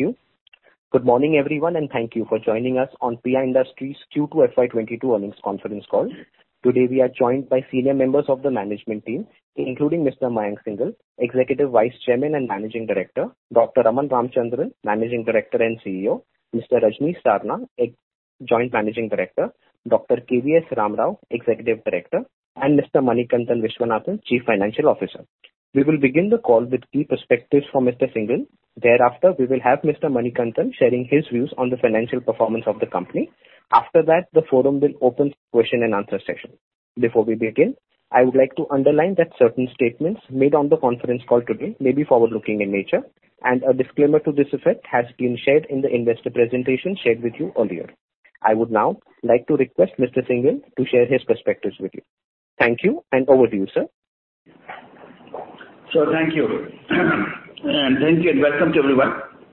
Thank you. Good morning, everyone, and thank you for joining us on PI Industries Q2 FY 2022 earnings conference call. Today, we are joined by senior members of the management team, including Mr. Mayank Singhal, Executive Vice Chairman and Managing Director, Dr. Raman Ramachandran, Managing Director and CEO, Mr. Rajnish Sarna, Joint Managing Director, Dr. K.V.S. Ram Rao, Executive Director, and Mr. Manikantan Viswanathan, Chief Financial Officer. We will begin the call with key perspectives from Mr. Singhal. Thereafter, we will have Mr. Manikantan sharing his views on the financial performance of the company. After that, the forum will open for question and answer session. Before we begin, I would like to underline that certain statements made on the conference call today may be forward-looking in nature, and a disclaimer to this effect has been shared in the investor presentation shared with you earlier. I would now like to request Mr. Singhal to share his perspectives with you. Thank you, and over to you, sir. Thank you. Thank you and welcome to everyone.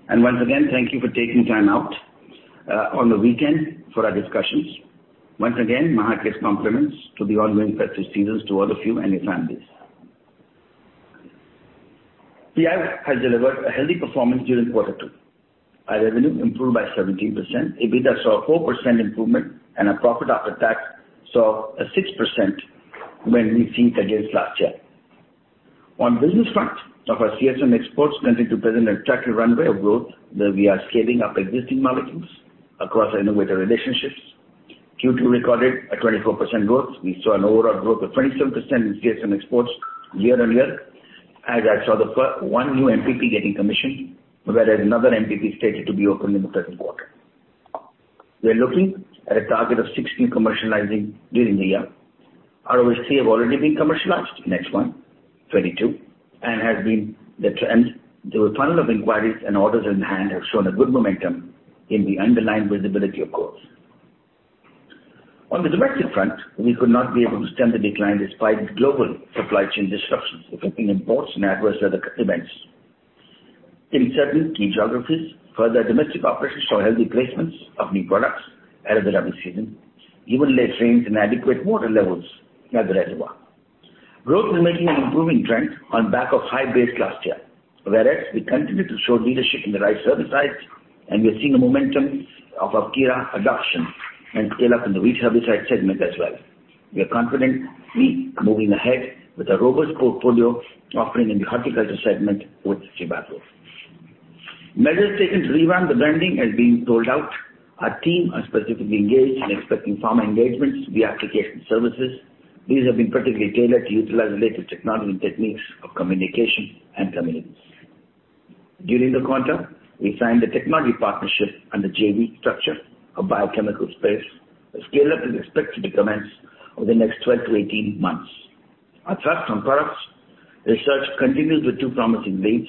Once again, thank you for taking time out on the weekend for our discussions. Once again, my heartiest compliments to the ongoing festive seasons to all of you and your families. PI has delivered a healthy performance during quarter two. Our revenue improved by 17%. EBITDA saw a 4% improvement, and our profit after tax saw a 6% improvement compared to last year. On the business front, our CSM exports continue to present an attractive runway of growth that we are scaling up existing molecules across innovative relationships. Q2 recorded a 24% growth. We saw an overall growth of 27% in CSM exports year-on-year as we saw one new MPP getting commissioned, whereas another MPP is slated to be opened in the third quarter. We are looking at a target of 16 commercializing during the year. Most have already been commercialized next one, 22, and has been the trend. The funnel of inquiries and orders in hand have shown a good momentum in the underlying visibility, of course. On the domestic front, we could not be able to stem the decline despite global supply chain disruptions affecting imports and adverse weather events. In certain key geographies, further domestic operations saw healthy placements of new products at a rabi season, even late rains and adequate water levels at the reservoir. Growth remains an improving trend on back of high base last year. Whereas we continue to show leadership in the rice herbicide, and we are seeing a momentum of our AWKIRA adoption and scale up in the wheat herbicide segment as well. We are confidently moving ahead with a robust portfolio offering in the horticulture segment with Jivagro. Measures taken to revamp the branding has been rolled out. Our team are specifically engaged and expecting farmer engagements via application services. These have been particularly tailored to utilize related technology and techniques of communication and convenience. During the quarter, we signed a technology partnership on the JV structure of biochemical space. A scale-up is expected to commence over the next 12-18 months. Apart from products, research continues with two promising leads,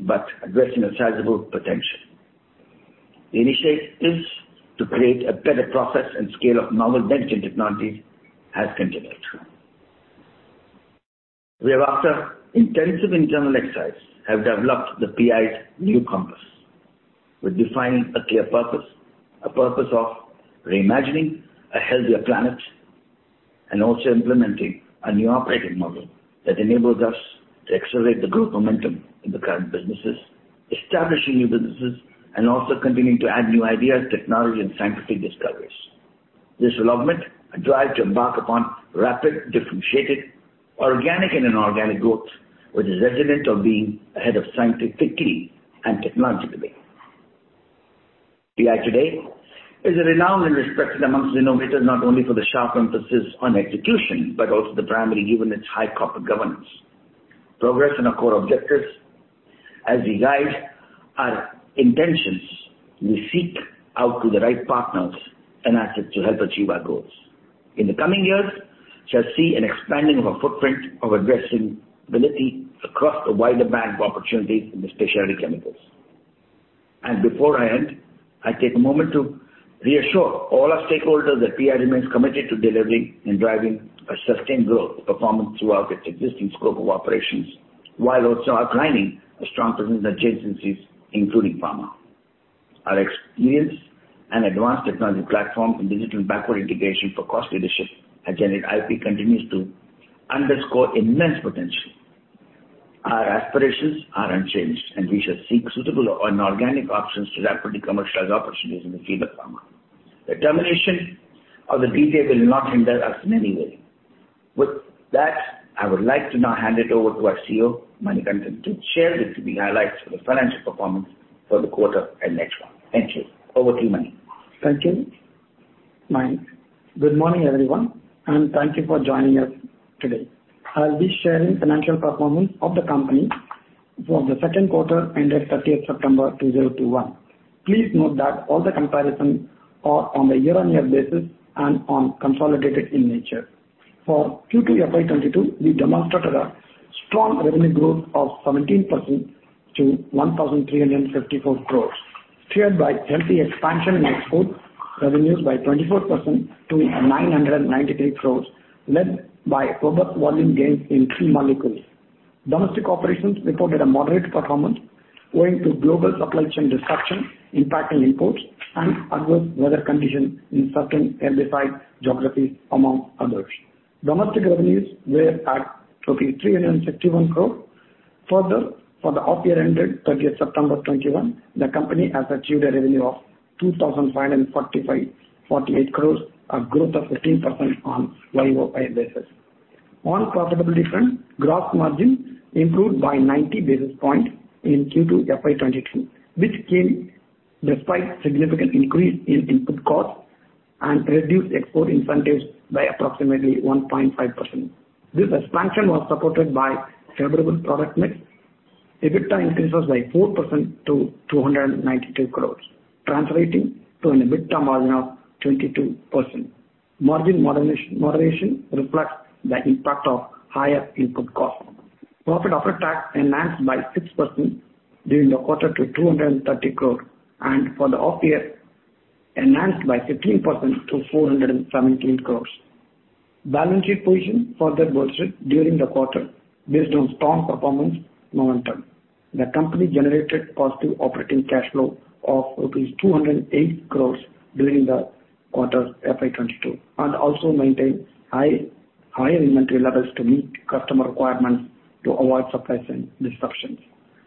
but addressing a sizable potential. Initiatives to create a better process and scale of novel bench technologies has continued. We have, after intensive internal exercise, developed the PI's new compass. We define a clear purpose, a purpose of reimagining a healthier planet and also implementing a new operating model that enables us to accelerate the growth momentum in the current businesses, establishing new businesses, and also continuing to add new ideas, technology and scientific discoveries. This will augment a drive to embark upon rapid, differentiated, organic and inorganic growth with the resolve to be ahead scientifically and technologically. PI today is renowned and respected amongst innovators, not only for the sharp emphasis on execution, but also primarily, given its high corporate governance. Progress in our core objectives as we guide our intentions, we seek out the right partners and assets to help achieve our goals. In the coming years, we shall see an expansion of our footprint of addressability across a wider range of opportunities in the specialty chemicals. Before I end, I take a moment to reassure all our stakeholders that PI remains committed to delivering and driving a sustained growth performance throughout its existing scope of operations, while also outlining a strong presence in adjacencies, including pharma. Our experience and advanced technology platform from digital backward integration for cost leadership and generate IP continues to underscore immense potential. Our aspirations are unchanged, and we shall seek suitable or inorganic options to rapidly commercialize opportunities in the field of pharma. The termination of the deal will not hinder us in any way. With that, I would like to now hand it over to our CFO, Manikantan, to share with you the highlights for the financial performance for the quarter and next one. Thank you. Over to you, Mani. Thank you, Mayank. Good morning, everyone, and thank you for joining us today. I'll be sharing financial performance of the company for the second quarter ended 30th September 2021. Please note that all the comparisons are on a year-on-year basis and consolidated in nature. For Q2 FY 2022, we demonstrated a strong revenue growth of 17% to 1,354 crores, steered by healthy expansion in export revenues by 24% to 993 crores, led by robust volume gains in three molecules. Domestic operations reported a moderate performance owing to global supply chain disruption impacting imports and adverse weather conditions in certain herbicide geographies, among others. Domestic revenues were at INR 351 crore. Further, for the half year ended 30th September 2021, the company has achieved a revenue of 2,548 crore, a growth of 15% on YoY basis. On profitability front, gross margin improved by 90 basis points in Q2 FY 2022, which came despite significant increase in input costs and reduced export incentives by approximately 1.5%. This expansion was supported by favorable product mix. EBITDA increases by 4% to 292 crore, translating to an EBITDA margin of 22%. Margin moderation reflects the impact of higher input costs. Profit after tax enhanced by 6% during the quarter to 230 crore, and for the half year enhanced by 15% to 417 crore. Balance sheet position further boosted during the quarter based on strong performance momentum. The company generated positive operating cash flow of rupees 208 crores during the quarter FY 2022, and also maintained high, higher inventory levels to meet customer requirements to avoid supply chain disruptions.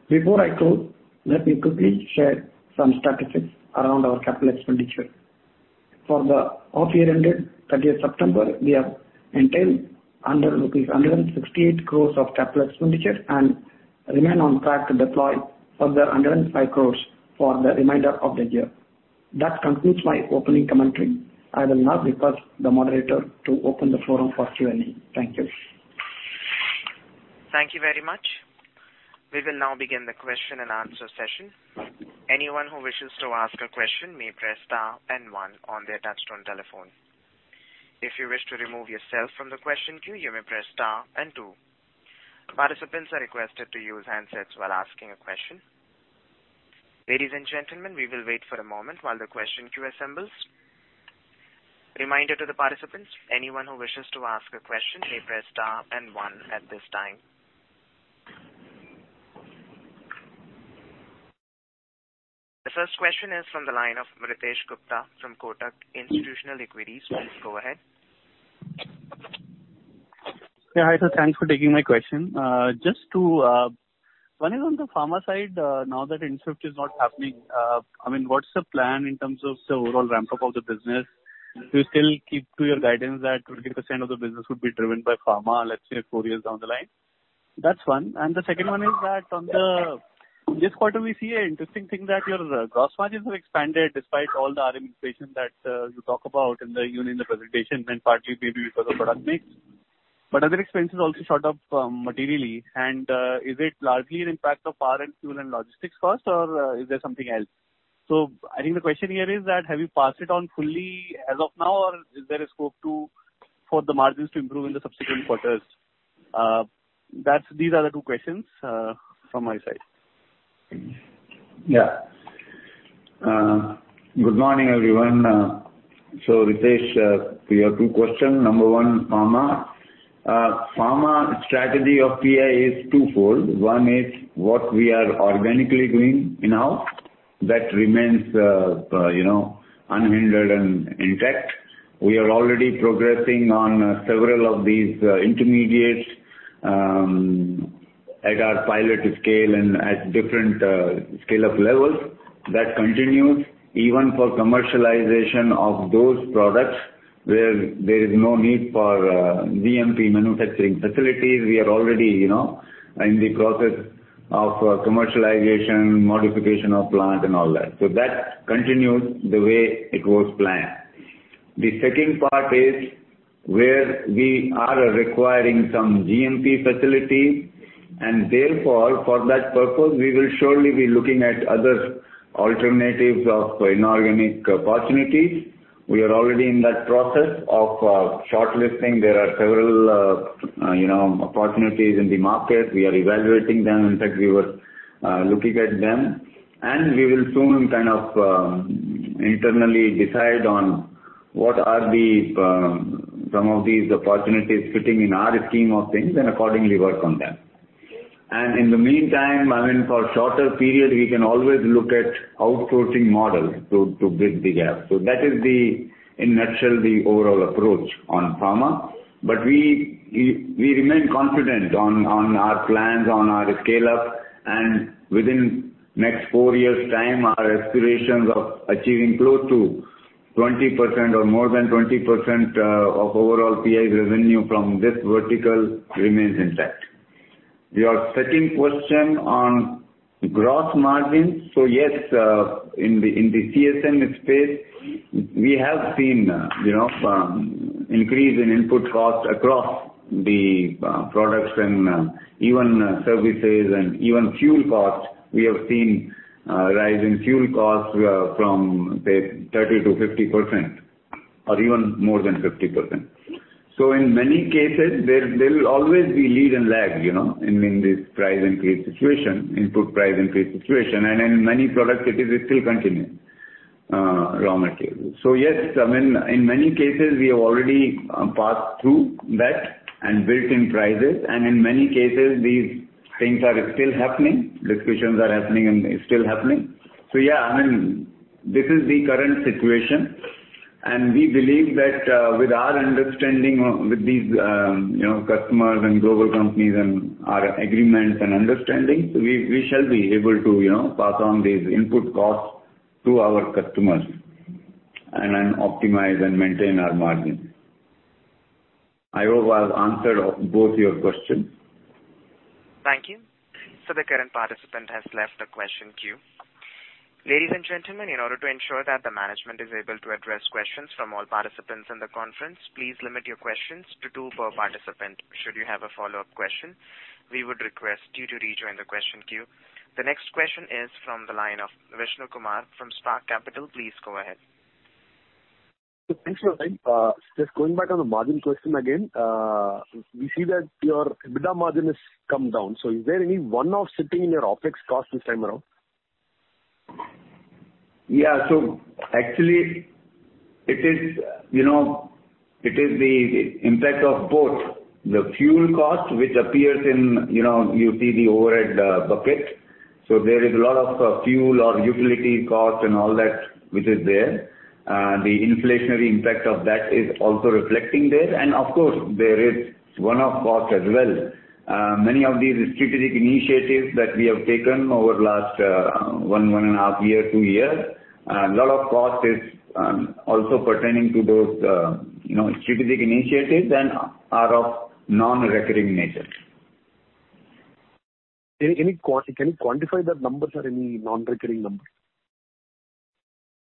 Before I close, let me quickly share some statistics around our capital expenditure. For the half year ended 30 of September, we have maintained under rupees 168 crores of capital expenditure and remain on track to deploy further 105 crores for the remainder of the year. That concludes my opening commentary. I will now request the moderator to open the forum for Q&A. Thank you. Thank you very much. We will now begin the question and answer session. Anyone who wishes to ask a question may press star and one on their touch-tone telephone. If you wish to remove yourself from the question queue, you may press star and two. Participants are requested to use handsets while asking a question. Ladies and gentlemen, we will wait for a moment while the question queue assembles. Reminder to the participants, anyone who wishes to ask a question may press star and one at this time. The first question is from the line of Ritesh Gupta from Kotak Institutional Equities. Please go ahead. Yeah. Hi, sir. Thanks for taking my question. Just one is on the pharma side, now that Ind-Swift is not happening, I mean, what's the plan in terms of the overall ramp-up of the business? Do you still keep to your guidance that 20% of the business would be driven by pharma, let's say, four years down the line? That's one. The second one is that on this quarter we see an interesting thing that your gross margins have expanded despite all the raw material inflation that you talk about during the presentation and partly maybe because of product mix. Other expenses also shot up materially. Is it largely an impact of power and fuel and logistics costs or is there something else? I think the question here is that, have you passed it on fully as of now, or is there a scope for the margins to improve in the subsequent quarters? These are the two questions from my side. Yeah. Good morning, everyone. So Ritesh, you have two questions. Number one, pharma. Pharma strategy of PI is twofold. One is what we are organically doing in-house. That remains, you know, unhindered and intact. We are already progressing on several of these intermediates at our pilot scale and at different scale-up levels. That continues even for commercialization of those products where there is no need for GMP manufacturing facilities. We are already, you know, in the process of commercialization, modification of plant and all that. That continues the way it was planned. The second part is where we are requiring some GMP facility, and therefore, for that purpose, we will surely be looking at other alternatives of inorganic opportunities. We are already in that process of shortlisting. There are several, you know, opportunities in the market. We are evaluating them. In fact, we were looking at them. We will soon kind of internally decide on what are the some of these opportunities fitting in our scheme of things and accordingly work on them. In the meantime, I mean, for shorter period, we can always look at outsourcing models to bridge the gap. That is the, in a nutshell, the overall approach on pharma. We remain confident on our plans, on our scale-up, and within next four years' time, our aspirations of achieving close to 20% or more than 20% of overall PI's revenue from this vertical remains intact. Your second question on gross margins. Yes, in the CSM space, we have seen, you know, increase in input costs across the products and even services and even fuel costs. We have seen rise in fuel costs from, say, 30%-50% or even more than 50%. In many cases there will always be lead and lag, you know, in this price increase situation, input price increase situation. In many products it still continues, raw materials. Yes, I mean, in many cases, we have already passed through that and built in prices. In many cases, these things are still happening. Discussions are happening and still happening. Yeah, I mean, this is the current situation, and we believe that with our understanding with these you know customers and global companies and our agreements and understanding, we shall be able to you know pass on these input costs to our customers and then optimize and maintain our margin. I hope I've answered both your questions. Thank you. The current participant has left the question queue. Ladies and gentlemen, in order to ensure that the management is able to address questions from all participants in the conference, please limit your questions to two per participant. Should you have a follow-up question, we would request you to rejoin the question queue. The next question is from the line of Vishnu Kumar from Spark Capital. Please go ahead. Thanks for your time. Just going back on the margin question again. We see that your EBITDA margin has come down. Is there any one-off sitting in your OpEx cost this time around? Actually it is, you know, it is the impact of both the fuel cost which appears in, you know, you see the overhead bucket. There is a lot of fuel or utility cost and all that, which is there. The inflationary impact of that is also reflecting there. Of course, there is one-off cost as well. Many of these strategic initiatives that we have taken over last one and a half year, two years, a lot of cost is also pertaining to those, you know, strategic initiatives and are of non-recurring nature. Can you quantify the numbers or any non-recurring numbers?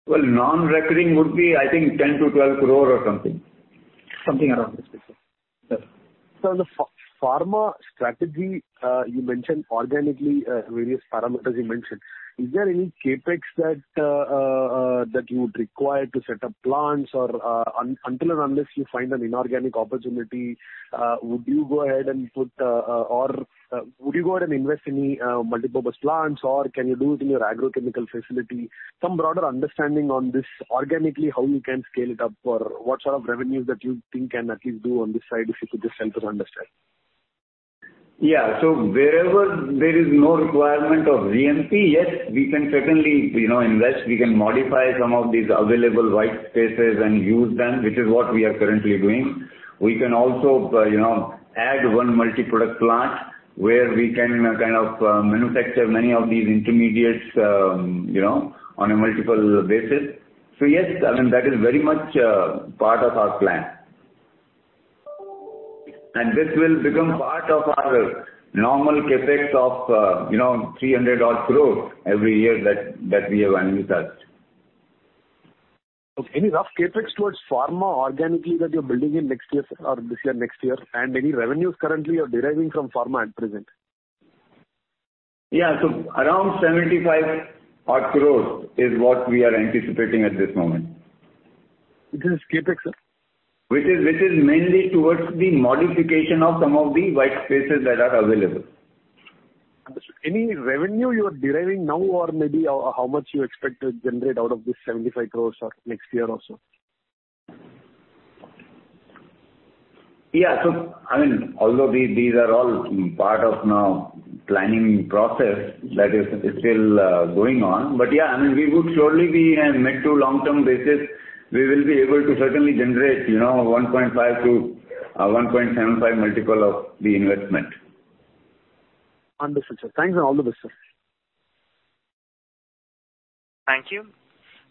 Well, non-recurring would be, I think, 10 crore-12 crore or something. Something around this. Sir, the pharma strategy you mentioned organically, various parameters you mentioned. Is there any CapEx that you would require to set up plants or until and unless you find an inorganic opportunity, would you go ahead and put or would you go ahead and invest any multipurpose plants, or can you do it in your agrochemical facility? Some broader understanding on this organically, how you can scale it up or what sort of revenues that you think can at least do on this side, if you could just help us understand. Yeah. Wherever there is no requirement of GMP, yes, we can certainly, you know, invest. We can modify some of these available white spaces and use them, which is what we are currently doing. We can also, you know, add one multi-product plant where we can kind of manufacture many of these intermediates, you know, on a multiple basis. Yes, I mean, that is very much part of our plan. This will become part of our normal CapEx of, you know, 300-odd crore every year that we have envisaged. Any rough CapEx towards pharma organically that you're building in next year or this year, next year? Any revenues currently you're deriving from pharma at present? Yeah. Around 75-odd crore is what we are anticipating at this moment. Which is CapEx, sir? Which is mainly towards the modification of some of the white spaces that are available. Understood. Any revenue you are deriving now or maybe how much you expect to generate out of this 75 crore or next year or so? Yeah. I mean, although these are all part of our planning process that is still going on. Yeah, I mean, we would surely be mid- to long-term basis, we will be able to certainly generate, you know, 1.5x-1.75x multiple of the investment. Understood, sir. Thanks and all the best, sir. Thank you.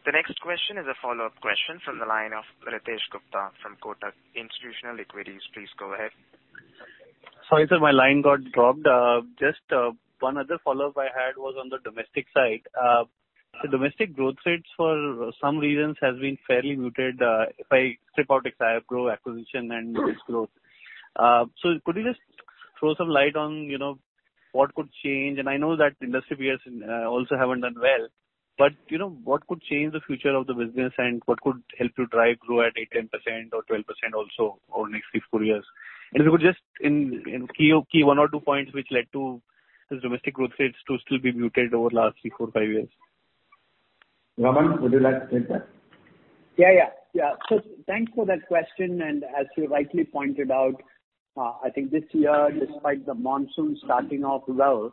The next question is a follow-up question from the line of Ritesh Gupta from Kotak Institutional Equities. Please go ahead. Sorry, sir, my line got dropped. Just one other follow-up I had was on the domestic side. The domestic growth rates for some reasons has been fairly muted, if I strip out Isagro acquisition and its growth. Could you just throw some light on, you know, what could change? I know that industry peers also haven't done well, but you know, what could change the future of the business and what could help you drive growth at 8%, 10% or 12% also over next three, four years? If you could just in key one or two points which led to the domestic growth rates to still be muted over last three, four, five years. Raman, would you like to take that? Yeah, yeah. Thanks for that question. As you rightly pointed out, I think this year, despite the monsoon starting off well,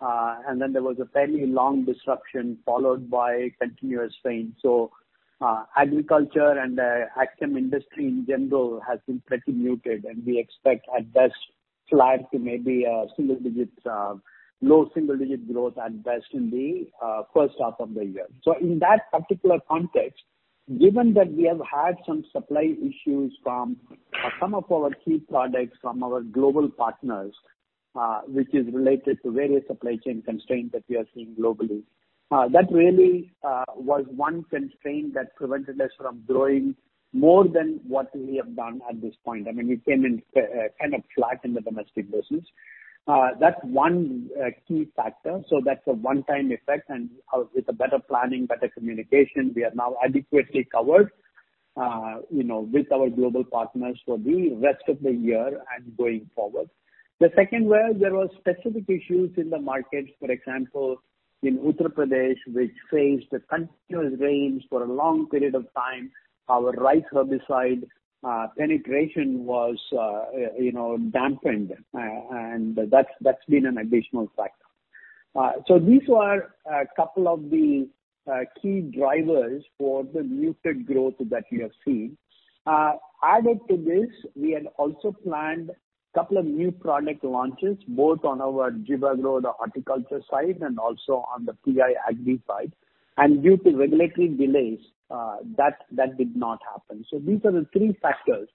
and then there was a fairly long disruption followed by continuous rain. Agriculture and ag chem industry in general has been pretty muted, and we expect at best flat to maybe a single-digit, low single-digit growth at best in the first half of the year. In that particular context, given that we have had some supply issues from some of our key products from our global partners, which is related to various supply chain constraints that we are seeing globally, that really was one constraint that prevented us from growing more than what we have done at this point. I mean, we came in kind of flat in the domestic business. That's one key factor. That's a one-time effect. With better planning, better communication, we are now adequately covered, you know, with our global partners for the rest of the year and going forward. The second where there was specific issues in the markets, for example, in Uttar Pradesh, which faced the continuous rains for a long period of time, our rice herbicide penetration was, you know, dampened. That's been an additional factor. These were a couple of the key drivers for the muted growth that we have seen. Added to this, we had also planned a couple of new product launches, both on our Jivagro, the horticulture side, and also on the PI Agri side. Due to regulatory delays, that did not happen. These are the three factors.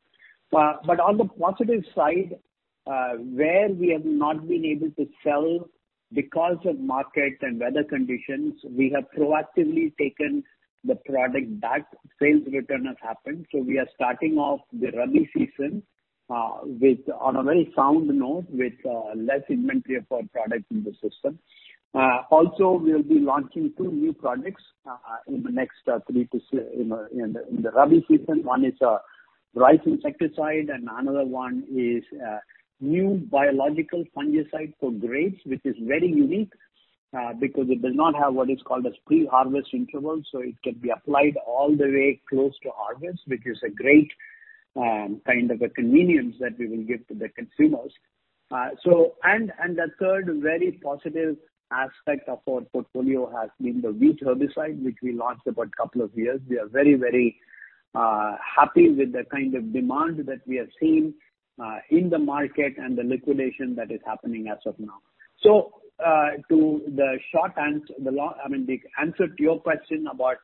On the positive side, where we have not been able to sell because of market and weather conditions, we have proactively taken the product back. Sales return has happened. We are starting off the rabi season on a very sound note, with less inventory of our products in the system. Also, we'll be launching two new products in the rabi season. One is a rice insecticide and another one is a new biological fungicide for grapes, which is very unique because it does not have what is called as pre-harvest interval, so it can be applied all the way close to harvest, which is a great kind of a convenience that we will give to the consumers. The third very positive aspect of our portfolio has been the wheat herbicide, which we launched about a couple of years. We are very happy with the kind of demand that we have seen in the market and the liquidation that is happening as of now. I mean, the answer to your question about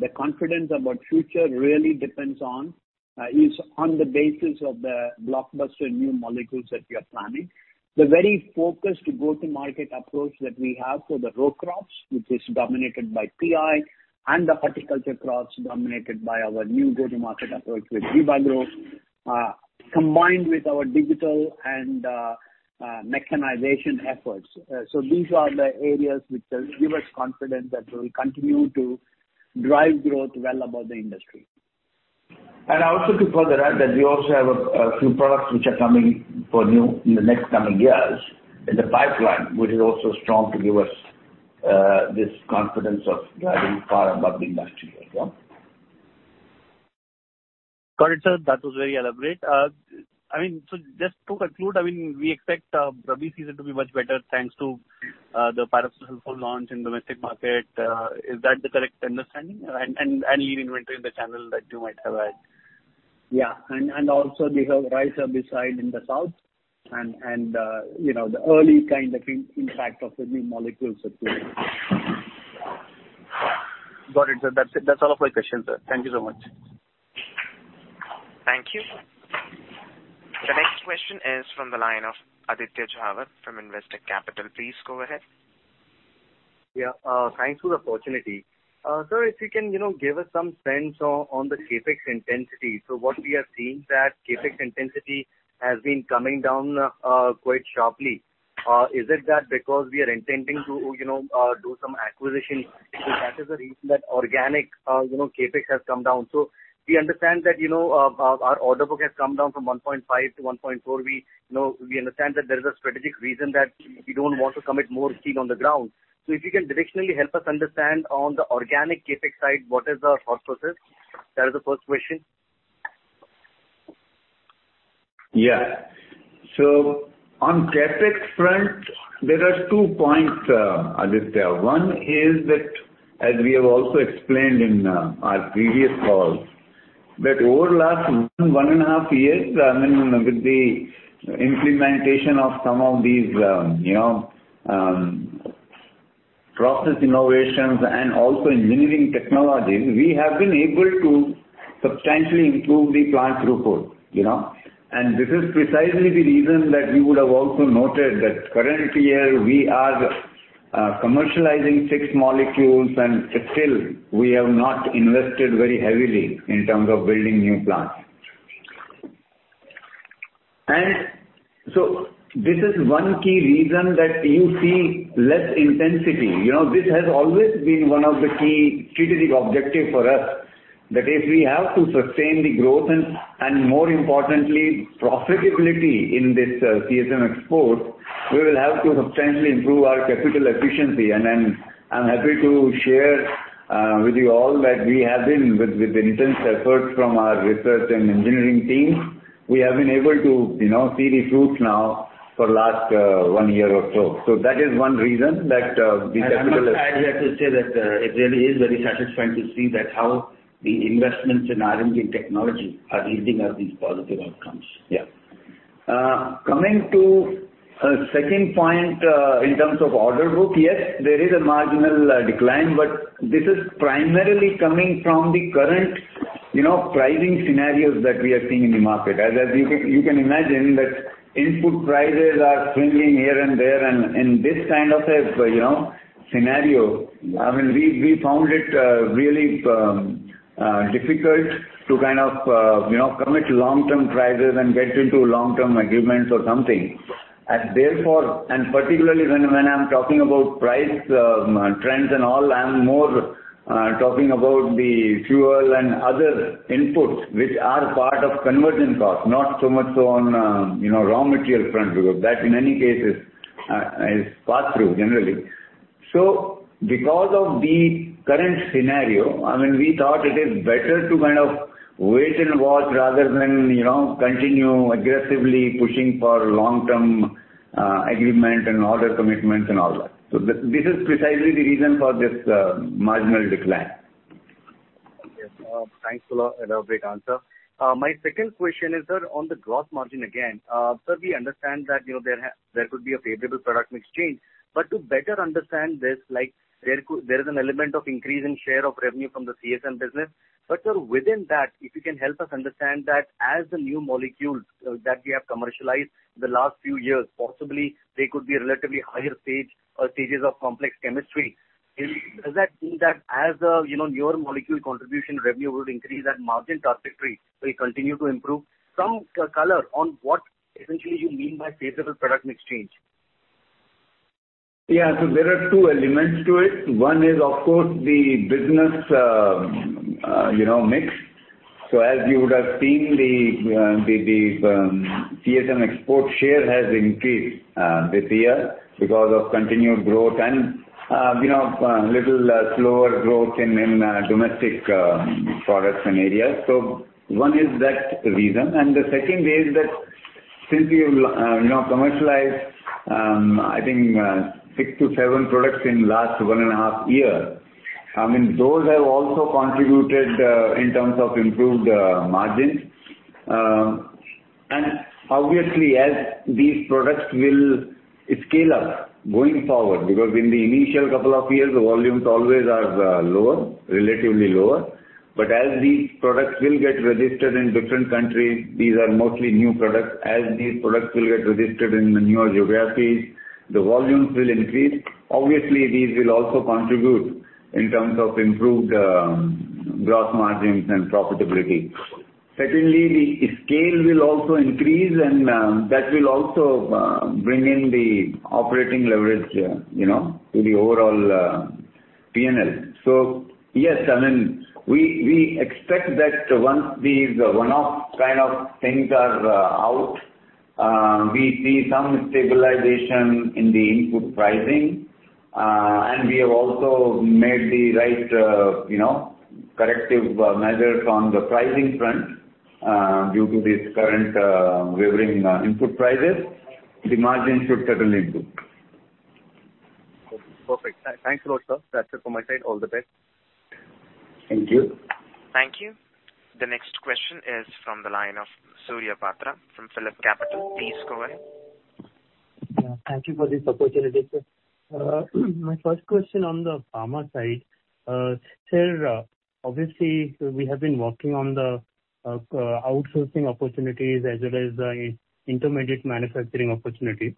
the confidence about future really depends on is on the basis of the blockbuster new molecules that we are planning. The very focused go-to-market approach that we have for the row crops, which is dominated by PI and the horticulture crops dominated by our new go-to-market approach with Jivagro, combined with our digital and mechanization efforts. These are the areas which give us confidence that we'll continue to drive growth well above the industry. Also to further add that we also have a few products which are coming for new in the next coming years in the pipeline, which is also strong to give us this confidence of driving far above the industry as well. Got it, sir. That was very elaborate. I mean, just to conclude, I mean, we expect rabi season to be much better, thanks to the Pyroxasulfone launch in domestic market and lean inventory in the channel that you might have had. Is that the correct understanding? Yeah. Also we have rice herbicide in the south and you know, the early kind of impact of the new molecules that we have. Got it, sir. That's it. That's all of my questions, sir. Thank you so much. Thank you. The next question is from the line of Aditya Jhawar from Investec Capital. Please go ahead. Thanks for the opportunity. Sir, if you can, you know, give us some sense on the CapEx intensity. What we are seeing that CapEx intensity has been coming down quite sharply. Is it that because we are intending to, you know, do some acquisition? If that is the reason that organic, you know, CapEx has come down. We understand that, you know, our order book has come down from 1.5 to 1.4. We understand that there is a strategic reason that we don't want to commit more feet on the ground. If you can directionally help us understand on the organic CapEx side, what is the thought process? That is the first question. On CapEx front, there are two points, Aditya. One is that, as we have also explained in our previous calls, that over last 1.5 years, I mean, with the implementation of some of these, you know, process innovations and also engineering technologies, we have been able to substantially improve the plant throughput, you know. This is precisely the reason that you would have also noted that current year we are commercializing six molecules, and still we have not invested very heavily in terms of building new plants. This is one key reason that you see less intensity. You know, this has always been one of the key strategic objective for us, that if we have to sustain the growth and, more importantly, profitability in this CSM export, we will have to substantially improve our capital efficiency. Then I'm happy to share with you all that we have been with the intense efforts from our research and engineering teams, we have been able to, you know, see the fruits now for last one year or so. That is one reason that the capital- I must add here to say that, it really is very satisfying to see that how the investments in R&D technology are yielding us these positive outcomes. Yeah. Coming to second point, in terms of order book, yes, there is a marginal decline, but this is primarily coming from the current, you know, pricing scenarios that we are seeing in the market. As you can imagine that input prices are swinging here and there. In this kind of a, you know, scenario, I mean, we found it really difficult to kind of, you know, commit long-term prices and get into long-term agreements or something. Therefore, and particularly when I'm talking about price trends and all, I'm more talking about the fuel and other inputs which are part of conversion cost, not so much on, you know, raw material front, because that in any case is passed through generally. Because of the current scenario, I mean, we thought it is better to kind of wait and watch rather than, you know, continue aggressively pushing for long-term agreement and order commitments and all that. This is precisely the reason for this marginal decline. Yes. Thanks a lot. Had a great answer. My second question is that on the gross margin again, so we understand that, you know, there could be a favorable product mix change. But to better understand this, like, there is an element of increase in share of revenue from the CSM business. But, sir, within that, if you can help us understand that as the new molecules that we have commercialized the last few years, possibly they could be relatively higher stages of complex chemistry. Does that mean that as, you know, newer molecule contribution revenue would increase, that margin trajectory will continue to improve? Some color on what essentially you mean by favorable product mix change. There are two elements to it. One is of course the business, you know, mix. As you would have seen the CSM export share has increased this year because of continued growth and you know little slower growth in domestic products and areas. One is that reason. The second is that since we have you know commercialized I think six to seven products in last one and a half years, I mean, those have also contributed in terms of improved margins. Obviously as these products will scale up going forward, because in the initial couple of years the volumes always are lower, relatively lower. As these products will get registered in different countries, these are mostly new products. As these products will get registered in the newer geographies, the volumes will increase. Obviously, these will also contribute in terms of improved gross margins and profitability. Secondly, the scale will also increase and that will also bring in the operating leverage, you know, to the overall P&L. Yes, I mean, we expect that once these one-off kind of things are out, we see some stabilization in the input pricing. We have also made the right, you know, corrective measures on the pricing front due to this current wavering input prices. The margin should certainly improve. Okay. Perfect. Thanks a lot, sir. That's it from my side. All the best. Thank you. Thank you. The next question is from the line of Surya Patra from PhillipCapital. Please go ahead. Yeah. Thank you for this opportunity, sir. My first question on the pharma side. Sir, obviously, we have been working on the outsourcing opportunities as well as the intermediate manufacturing opportunity.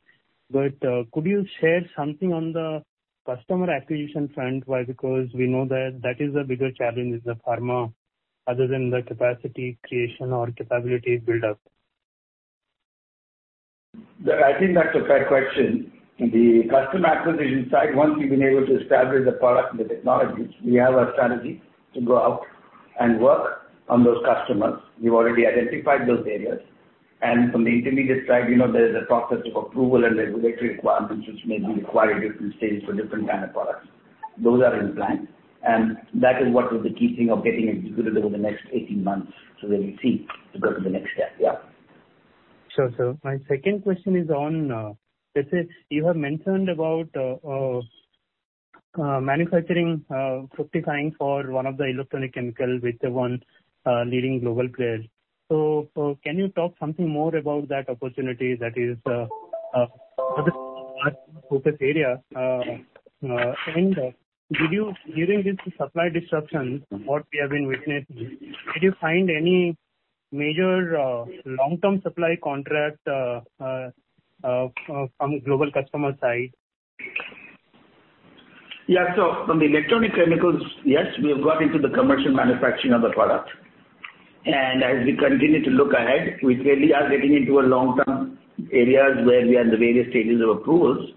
Could you share something on the customer acquisition front? Why? Because we know that is a bigger challenge in the pharma other than the capacity creation or capabilities build up. I think that's a fair question. The customer acquisition side, once we've been able to establish the product and the technologies, we have a strategy to go out and work on those customers. We've already identified those areas. From the intermediate side, you know, there is a process of approval and regulatory requirements which may be required at different stages for different kind of products. Those are in plan, and that is what will be key thing of getting executable the next 18 months so that we see to go to the next step. Yeah. Sure, sir. My second question is on, let's say you have mentioned about manufacturing fortifying for one of the electronic chemicals with the one leading global player. So can you talk something more about that opportunity that is focus area? And did you, during this supply disruptions what we have been witnessing, did you find any major long-term supply contract from global customer side? Yeah. From the electronic chemicals, yes, we have got into the commercial manufacturing of the product. As we continue to look ahead, we really are getting into a long-term areas where we are in the various stages of approvals,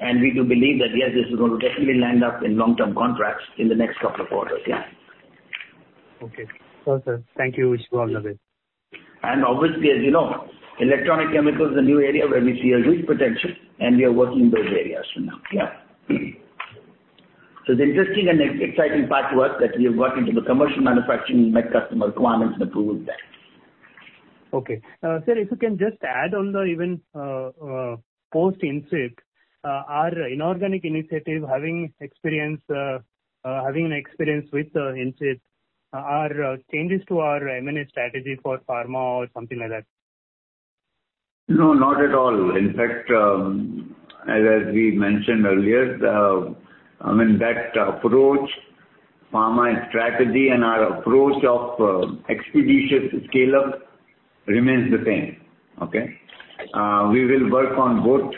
and we do believe that, yes, this is gonna definitely land up in long-term contracts in the next couple of quarters. Yeah. Okay. Well, sir. Thank you. Wish you all the best. Obviously, as you know, electronic chemicals is a new area where we see a huge potential and we are working those areas for now. Yeah. It's interesting and exciting path work that we have got into the commercial manufacturing, met customer requirements and approvals there. Okay, sir, if you can just add on to even post Ind-Swift our inorganic initiative, having an experience with Ind-Swift, are changes to our M&A strategy for pharma or something like that? No, not at all. In fact, as we mentioned earlier, I mean, that approach pharma strategy and our approach of expeditious scale up remains the same. Okay? We will work on both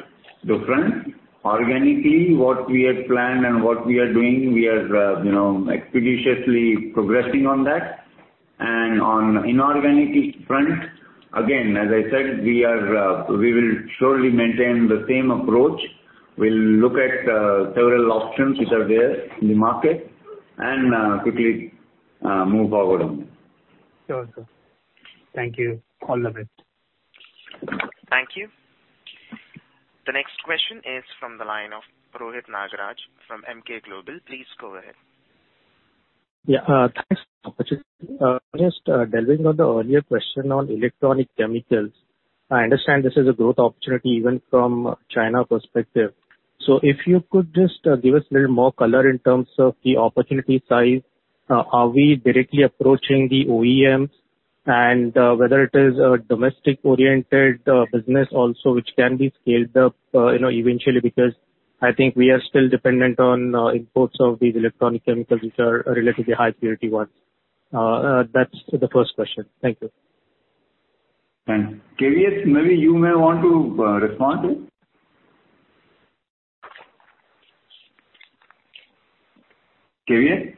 the front. Organically, what we had planned and what we are doing, we are, you know, expeditiously progressing on that. On inorganic front, again, as I said, we are, we will surely maintain the same approach. We'll look at several options which are there in the market and quickly move forward on that. Sure, sir. Thank you. All the best. Thank you. The next question is from the line of Rohit Nagraj from Emkay Global. Please go ahead. Yeah, thanks. Just delving on the earlier question on electronic chemicals. I understand this is a growth opportunity even from China perspective. If you could just give us a little more color in terms of the opportunity size. Are we directly approaching the OEMs and whether it is a domestic-oriented business also which can be scaled up, you know, eventually, because I think we are still dependent on imports of these electronic chemicals, which are relatively high purity ones. That's the first question. Thank you. Thanks. K.V.S., maybe you may want to respond to it. K.V.S.?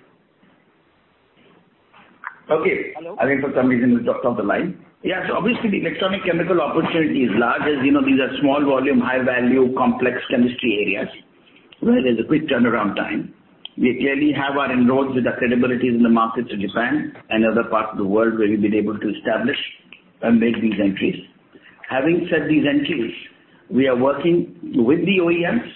Okay. Hello? I think for some reason he dropped off the line. Yeah. Obviously the electronic chemicals opportunity is large. As you know, these are small volume, high value, complex chemistry areas, where there's a quick turnaround time. We clearly have our inroads with accreditations in the market in Japan and other parts of the world where we've been able to establish and make these entries. Having set these entries, we are working with the OEMs,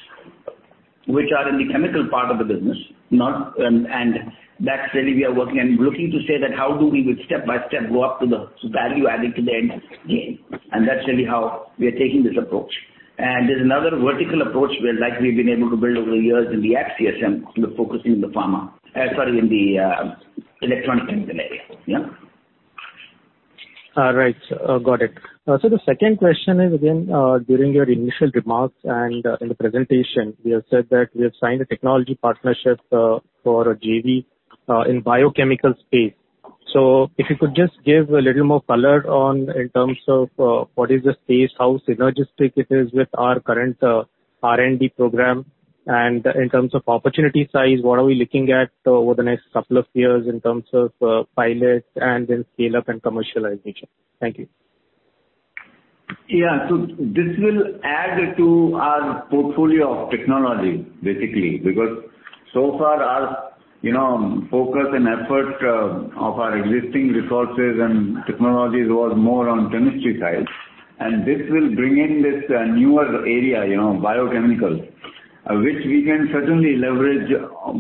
which are in the chemical part of the business, and that's really we are working and looking to see how we would step-by-step go up to the value chain to the end game. That's really how we are taking this approach. There's another vertical approach where like we've been able to build over the years in the Agri CSM, you know, focusing in the pharma. Sorry, in the electronic chemicals area. Yeah. All right. Got it. The second question is, during your initial remarks and in the presentation, you have said that we have signed a technology partnership for a JV in biochemical space. If you could just give a little more color on in terms of what is the space, how synergistic it is with our current R&D program. In terms of opportunity size, what are we looking at over the next couple of years in terms of pilots and then scale up and commercialization? Thank you. Yeah. This will add to our portfolio of technology basically, because so far our, you know, focus and effort of our existing resources and technologies was more on chemistry side. This will bring in this newer area, you know, biochemical, which we can certainly leverage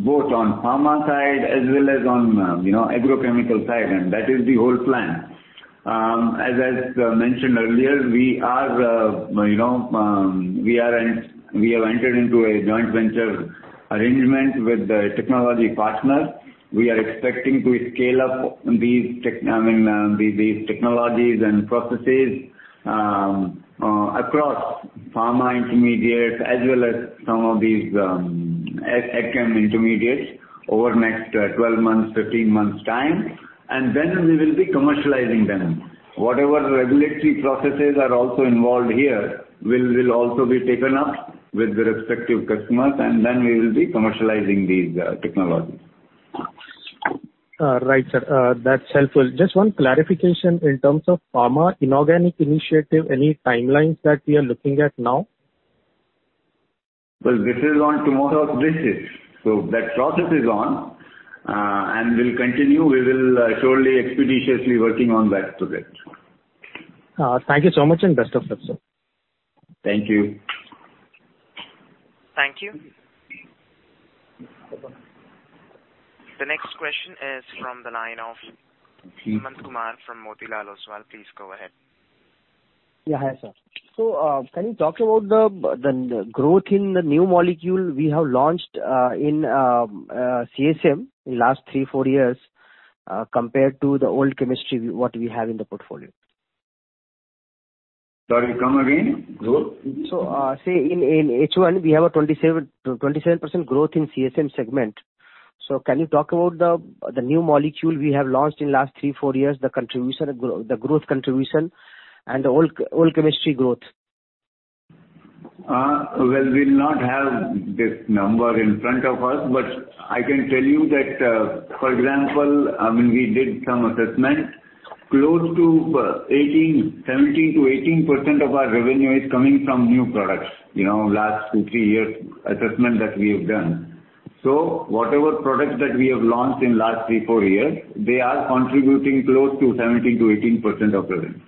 both on pharma side as well as on, you know, agrochemical side, and that is the whole plan. As I mentioned earlier, you know, we have entered into a joint venture arrangement with the technology partner. We are expecting to scale up these technologies and processes across pharma intermediates as well as some of these e-chem intermediates over the next 12 months, 15 months time. Then we will be commercializing them. Whatever regulatory processes are also involved here will also be taken up with the respective customers and then we will be commercializing these technologies. Right, sir. That's helpful. Just one clarification in terms of pharma inorganic initiative, any timelines that we are looking at now? Well, this is on tomorrow's business. That process is on, and we'll continue. We will surely expeditiously working on that project. Thank you so much and best of luck, sir. Thank you. Thank you. The next question is from the line of Sumant Kumar from Motilal Oswal. Please go ahead. Yeah, hi, sir. Can you talk about the growth in the new molecule we have launched in CSM in last three, four years, compared to the old chemistry, what we have in the portfolio? Sorry, come again. Say in H1 we have a 27% growth in CSM segment. Can you talk about the new molecule we have launched in last three, four years, the contribution, the growth contribution and the old chemistry growth? Well, we'll not have this number in front of us, but I can tell you that, for example, I mean, we did some assessment. Close to 17%-18% of our revenue is coming from new products. You know, last two, three years assessment that we have done. Whatever products that we have launched in last three, four years, they are contributing close to 17%-18% of revenue.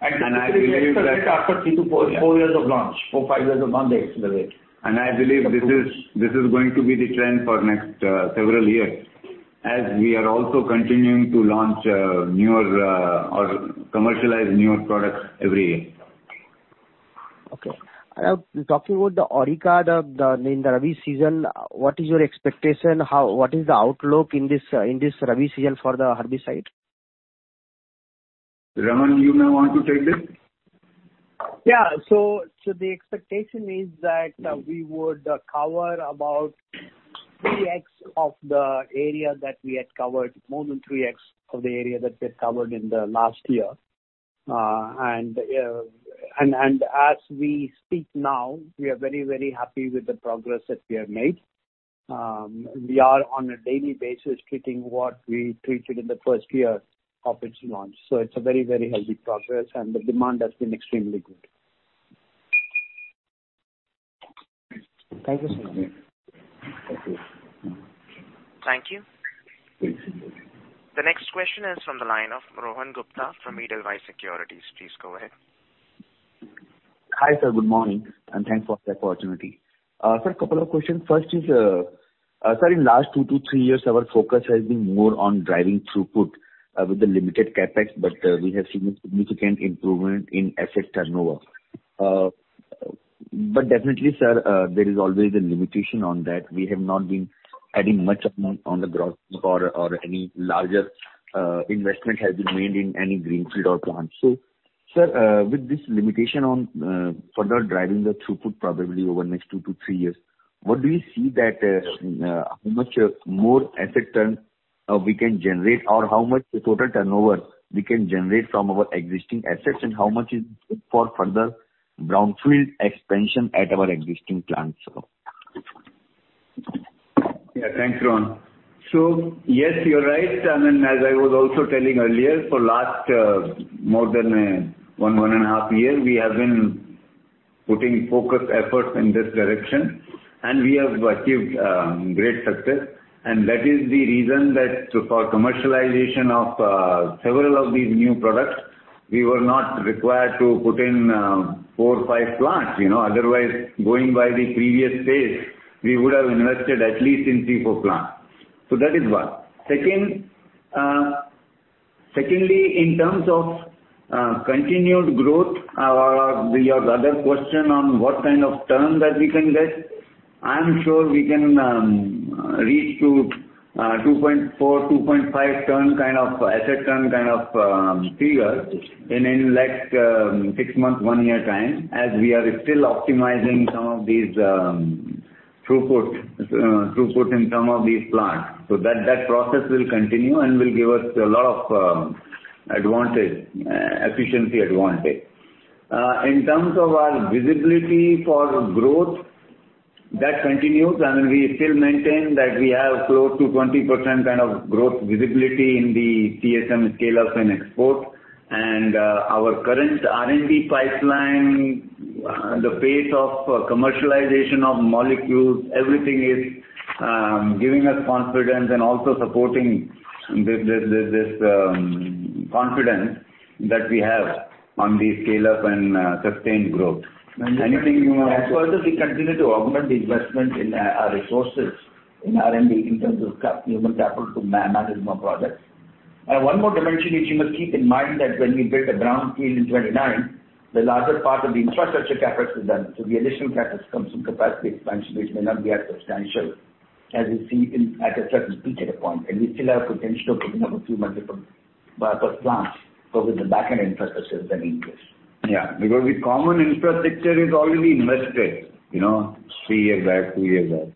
I believe that- After three to four years of launch, four to five years of launch, exactly. I believe this is going to be the trend for the next several years, as we are also continuing to launch newer or commercialize newer products every year. Okay. Talking about the AWKIRA in the rabi season, what is your expectation? What is the outlook in this rabi season for the herbicide? Raman, you may want to take this. The expectation is that we would cover about 3x of the area that we had covered, more than 3x of the area that we had covered in the last year. As we speak now, we are very, very happy with the progress that we have made. We are on a daily basis treating what we treated in the first year of its launch. It's a very, very healthy progress and the demand has been extremely good. Thank you so much. Thank you. The next question is from the line of Rohan Gupta from Edelweiss Securities. Please go ahead. Hi, sir. Good morning, and thanks for the opportunity. Sir, a couple of questions. First is, sir, in last two to three years, our focus has been more on driving throughput, with the limited CapEx, but we have seen significant improvement in asset turnover. Definitely, sir, there is always a limitation on that. We have not been adding much amount on the growth or any larger, investment has been made in any greenfield or plant. Sir, with this limitation on further driving the throughput probably over the next two to three years, what do you see that, how much more asset turn we can generate or how much the total turnover we can generate from our existing assets and how much is for further brownfield expansion at our existing plants, sir? Yeah, thanks, Rohan. Yes, you're right. I mean, as I was also telling earlier, for the last more than one and a half year, we have been putting focused efforts in this direction and we have achieved great success. That is the reason that for commercialization of several of these new products we were not required to put in four or five plants, you know. Otherwise, going by the previous pace, we would have invested at least in three, four plants. That is one. Secondly, in terms of continued growth, or your other question on what kind of turn that we can get, I'm sure we can reach 2.4-2.5 turn kind of asset turn kind of figure in like six months, one year time as we are still optimizing some of these throughput in some of these plants. That process will continue and will give us a lot of efficiency advantage. In terms of our visibility for growth, that continues. I mean, we still maintain that we have close to 20% kind of growth visibility in the CSM scale-up and export. Our current R&D pipeline, the pace of commercialization of molecules, everything is giving us confidence and also supporting this confidence that we have on the scale-up and sustained growth. And anything you- As we further continue to augment the investment in our resources in R&D in terms of human capital to manage more projects. One more dimension which you must keep in mind is that when we built a brownfield in 2019, the larger part of the infrastructure CapEx is done. The additional CapEx comes from capacity expansion which may not be as substantial as we see in at a certain peak at a point, and we still have potential to put another two multiproduct plants. The backend infrastructure is in place. Yeah, because the common infrastructure is already invested, you know, three years back, two years back.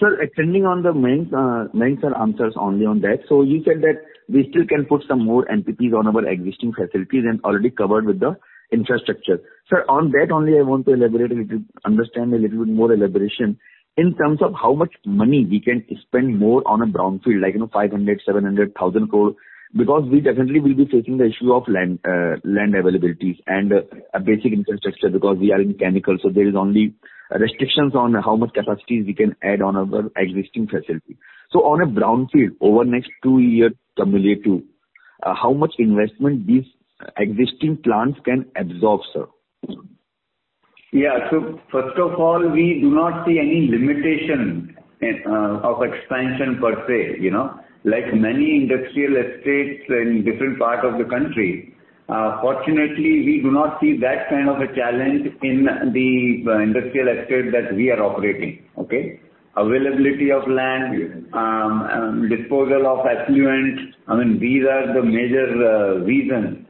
Sir, extending on the main, sir, answers only on that. You said that we still can put some more entities on our existing facilities and already covered with the infrastructure. Sir, on that only I want to elaborate a little, understand a little bit more elaboration in terms of how much money we can spend more on a brownfield, like, you know, 500,000 crore-700,000 crore because we definitely will be facing the issue of land availabilities and a basic infrastructure because we are in chemical so there is only restrictions on how much capacities we can add on our existing facility. On a brownfield over next two year, cumulatively, how much investment these existing plants can absorb, sir? Yeah. First of all, we do not see any limitation of expansion per se, you know. Like many industrial estates in different part of the country, fortunately we do not see that kind of a challenge in the industrial estate that we are operating. Okay? Availability of land, disposal of effluents, I mean these are the major reason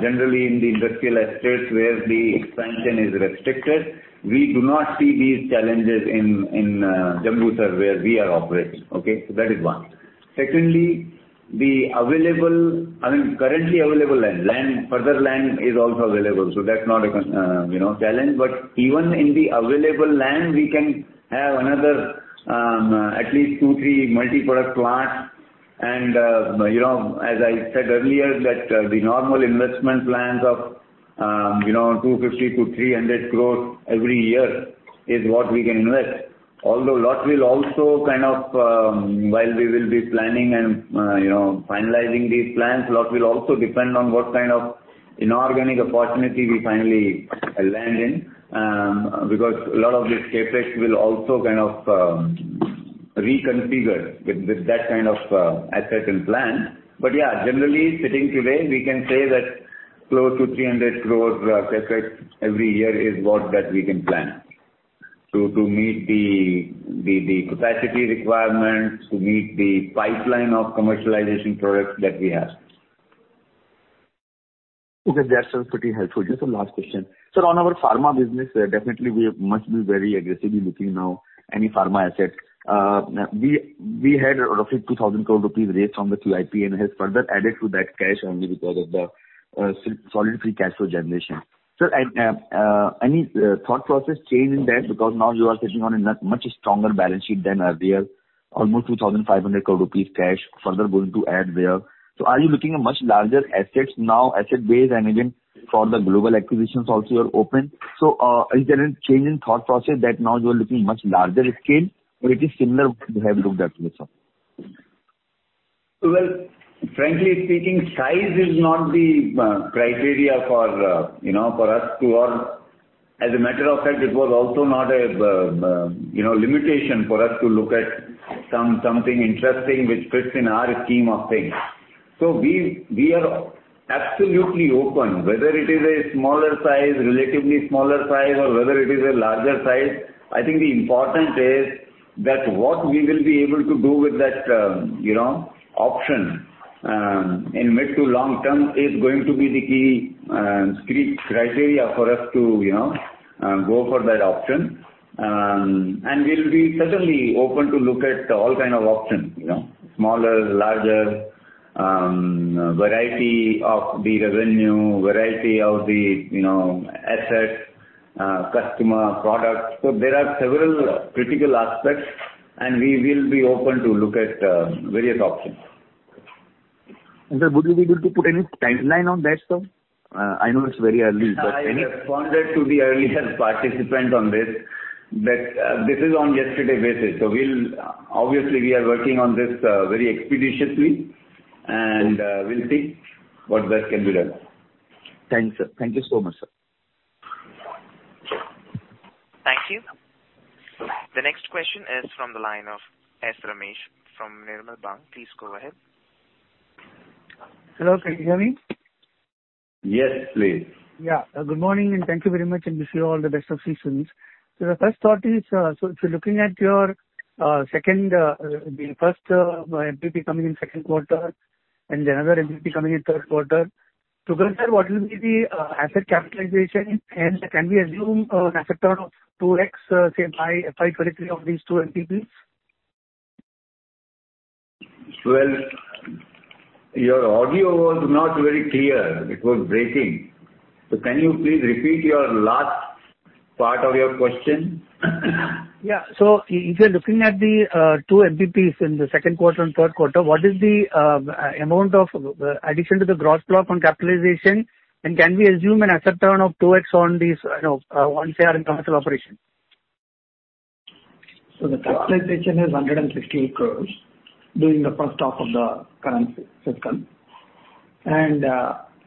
generally in the industrial estates where the expansion is restricted. We do not see these challenges in Jambusar where we are operating. Okay? That is one. Secondly, the available, I mean currently available land, further land is also available so that's not a, you know, challenge. Even in the available land we can have another at least two, three multiproduct plants. As I said earlier that the normal investment plans of, you know, 250 crore-300 crore every year is what we can invest. Although a lot will also kind of, while we will be planning and, you know, finalizing these plans, a lot will also depend on what kind of inorganic opportunity we finally land in, because a lot of this CapEx will also kind of reconfigure with that kind of asset and plan. Generally sitting today we can say that close to 300 crore CapEx every year is what we can plan to meet the capacity requirements, to meet the pipeline of commercialization products that we have. Okay. That's pretty helpful. Just the last question. Sir, on our pharma business, definitely we must be very aggressively looking now any pharma asset. We had roughly 2,000 crore rupees raised from the QIP and has further added to that cash only because of the solid free cash flow generation. Sir, any thought process change in that because now you are sitting on a much stronger balance sheet than earlier. Almost 2,500 crore rupees cash further going to add there. Are you looking at much larger assets now, asset base and again for the global acquisitions also you are open? Is there any change in thought process that now you are looking much larger scale or it is similar to what you have looked at thus far? Well, frankly speaking, size is not the criteria for, you know, for us to. As a matter of fact, it was also not a, you know, limitation for us to look at something interesting which fits in our scheme of things. We are absolutely open, whether it is a smaller size, relatively smaller size, or whether it is a larger size. I think the important is that what we will be able to do with that, you know, option, in mid to long term is going to be the key criteria for us to, you know, go for that option. We'll be certainly open to look at all kind of options, you know, smaller, larger, variety of the revenue, variety of the assets, customer products. There are several critical aspects, and we will be open to look at various options. Sir, would you be able to put any timeline on that, sir? I know it's very early, but any- I responded to the earlier participant on this, that this is on yesterday basis. We'll obviously we are working on this very expeditiously, and we'll see what best can be done. Thanks, sir. Thank you so much, sir. Thank you. The next question is from the line of S. Ramesh from Nirmal Bang. Please go ahead. Hello, can you hear me? Yes, please. Good morning, and thank you very much, and wish you all the best of seasons. The first thought is, if you're looking at the first MPP coming in second quarter and another MPP coming in third quarter, together what will be the asset capitalization? And can we assume a factor of 2x, say, by FY 2023 of these two MPPs? Well, your audio was not very clear. It was breaking. Can you please repeat your last part of your question? Yeah. If you're looking at the two MPPs in the second quarter and third quarter, what is the amount of addition to the gross block on capitalization? Can we assume an asset turn of 2x on these, you know, once they are in commercial operation? The capitalization is 150 crore during the first half of the current fiscal.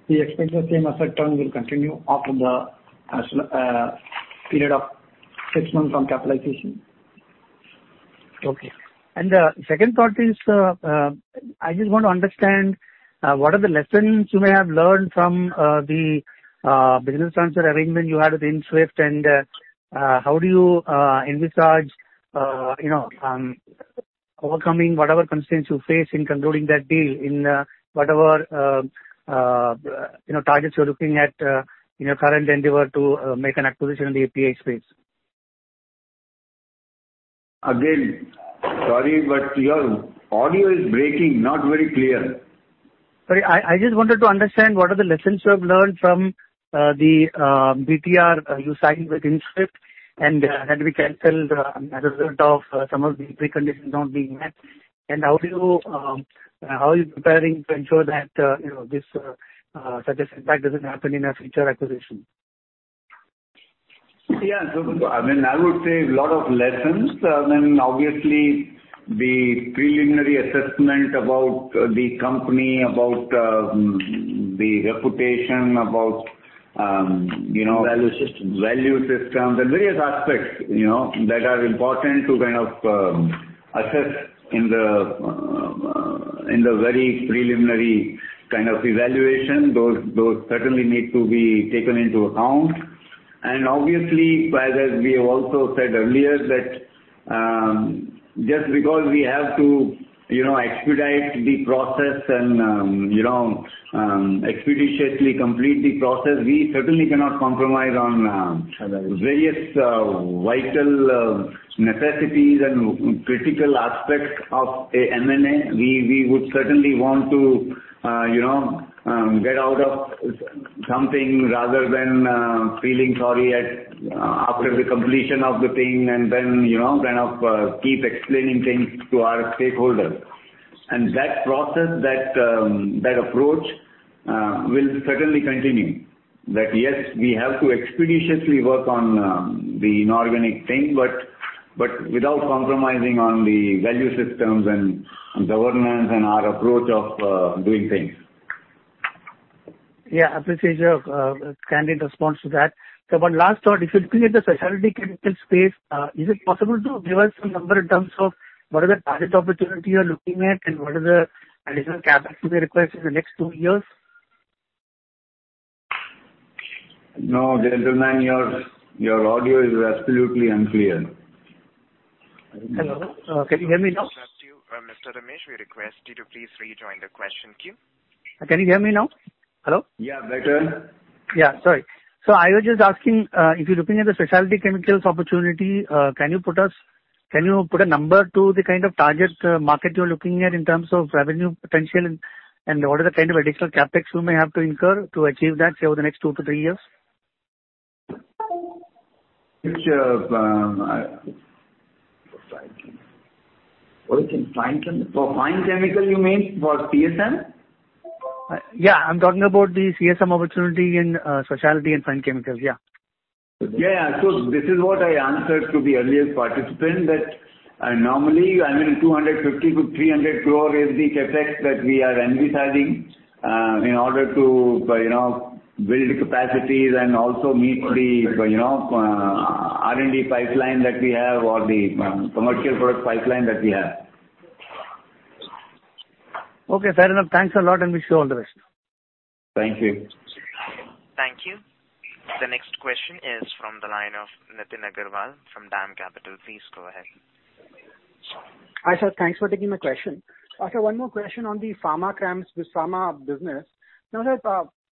We expect the same asset turn will continue after the period of six months from capitalization. Okay. The second part is, I just want to understand what are the lessons you may have learned from the business transfer arrangement you had with Ind-Swift? How do you envisage you know overcoming whatever constraints you face in concluding that deal in whatever you know targets you're looking at in your current endeavor to make an acquisition in the API space? Again, sorry, but your audio is breaking, not very clear. Sorry. I just wanted to understand what are the lessons you have learned from the BTR you signed with Ind-Swift and that we canceled as a result of some of the preconditions not being met. How are you preparing to ensure that you know, this such an impact doesn't happen in a future acquisition? Yeah. I mean, I would say a lot of lessons. I mean, obviously the preliminary assessment about the company, about the reputation, about you know. Value systems. Value systems and various aspects, you know, that are important to kind of assess in the very preliminary kind of evaluation. Those certainly need to be taken into account. Obviously, as we have also said earlier, that just because we have to, you know, expedite the process and, you know, expeditiously complete the process, we certainly cannot compromise on Values. Various vital necessities and critical aspects of a M&A. We would certainly want to, you know, get out of something rather than feeling sorry after the completion of the thing and then, you know, kind of keep explaining things to our stakeholders. That process, that approach will certainly continue. Yes, we have to expeditiously work on the inorganic thing, but without compromising on the value systems and governance and our approach of doing things. Yeah. Appreciate your candid response to that. One last thought. If you look at the specialty chemical space, is it possible to give us some number in terms of what are the target opportunity you're looking at, and what is the additional CapEx to be requested in the next two years? No, gentleman, your audio is absolutely unclear. Hello? Can you hear me now? Mr. Ramesh, we request you to please rejoin the question queue. Can you hear me now? Hello? Yeah, better. I was just asking, if you're looking at the specialty chemicals opportunity, can you put a number to the kind of target market you're looking at in terms of revenue potential and what are the kind of additional CapEx you may have to incur to achieve that, say, over the next two to three years? What you think fine chemical? For fine chemical you mean for CSM? Yeah, I'm talking about the CSM opportunity in specialty and fine chemicals, yeah. Yeah, this is what I answered to the earlier participant that, normally, I mean, 250-300 crore is the CapEx that we are envisaging, in order to, you know, build capacities and also meet the, you know, R&D pipeline that we have or the commercial product pipeline that we have. Okay, fair enough. Thanks a lot, and wish you all the best. Thank you. Thank you. The next question is from the line of Nitin Agarwal from DAM Capital. Please go ahead. Hi, sir. Thanks for taking my question. Sir, one more question on the pharma CRAMS, the pharma business. Now, sir,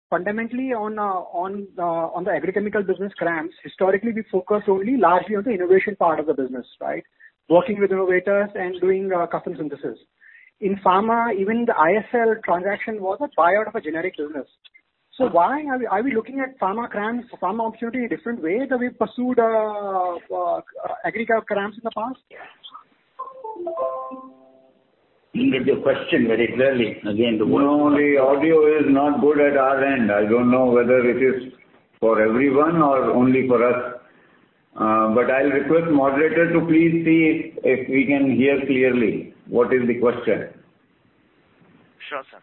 fundamentally on the agrichemical business CRAMS, historically, we focus only largely on the innovation part of the business, right? Working with innovators and doing custom synthesis. In pharma, even the ISL transaction was a buyout of a generic business. Why are we looking at pharma CRAMS, pharma opportunity a different way that we pursued agrichemical CRAMS in the past? Didn't get your question very clearly again. No, the audio is not good at our end. I don't know whether it is for everyone or only for us. But I'll request moderator to please see if we can hear clearly what is the question? Sure, sir.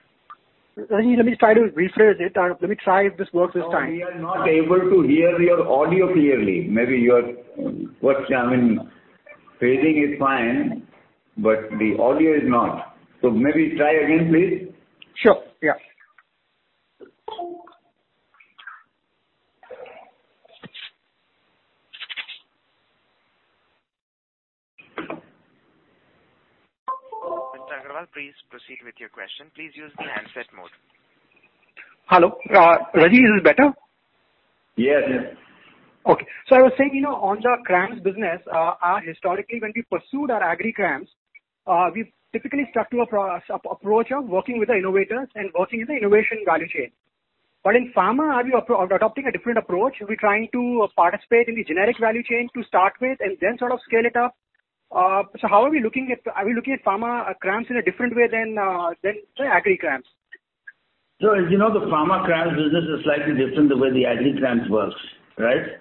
Let me try to rephrase it and let me try if this works this time. No, we are not able to hear your audio clearly. Maybe your voice, I mean, phrasing is fine, but the audio is not. Maybe try again, please. Sure. Yeah. Mr. Agarwal, please proceed with your question. Please use the handset mode. Hello. Rajnish, is this better? Yes. Yes. Okay. I was saying, you know, on the CRAMS business, historically when we pursued our agri CRAMS, we typically stuck to approach of working with the innovators and working in the innovation value chain. But in pharma, are we adopting a different approach? Are we trying to participate in the generic value chain to start with and then sort of scale it up? How are we looking at... Are we looking at pharma CRAMS in a different way than, say, agri CRAMS? As you know, the pharma CRAMS business is slightly different the way the agri CRAMS works, right?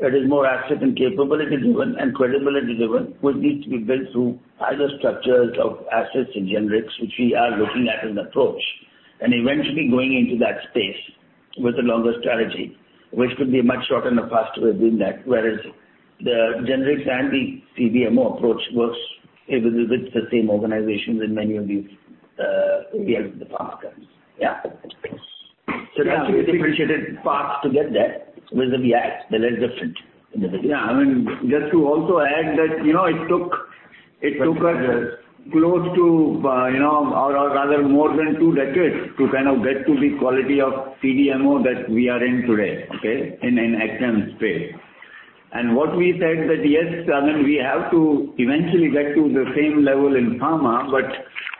It is more asset and capability driven and credibility driven, which needs to be built through either structures of assets in generics, which we are looking at an approach, and eventually going into that space with a longer strategy, which could be much shorter in the past we have been that. Whereas the generics and the CDMO approach works a bit with the same organizations in many of these areas of the pharma CRAMS. Yeah. That's a differentiated path to get there with the PI that are different in the business. Yeah. I mean, just to also add that, you know, it took us close to, you know, or rather more than two decades to kind of get to the quality of CDMO that we are in today, okay? In AgChem space. What we said that, yes, I mean, we have to eventually get to the same level in pharma, but